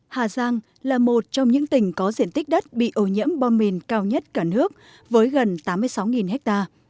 hà giang là một trong những tỉnh có diện tích đất bị ô nhiễm bom mìn cao nhất cả nước với gần tám mươi sáu ha